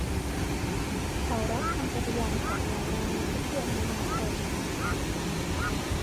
เขารับคำปฏิญาณของหน่วยงานในทุกเดือนมีนาคม